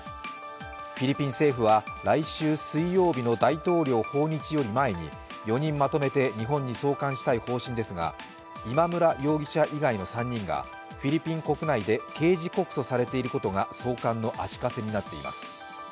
フィリピン政府は来週水曜日の大統領訪日より前に４人まとめて日本に送還したい方針ですが、今村容疑者以外の３人がフィリピン国内で刑事告訴されていることが送還の足かせになっています。